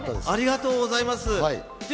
ありがとうございます。